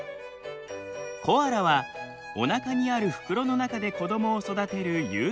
コアラはおなかにある袋の中で子どもを育てる有袋類です。